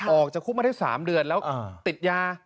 ออกจากคุกมาได้๓เดือนแล้วติดยา